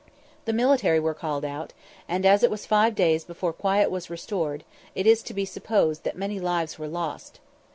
The military were called out, and, as it was five days before quiet was restored, it is to be supposed that many lives were lost.